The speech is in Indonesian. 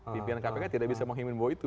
pimpinan kpk tidak bisa menghimpun bahwa itu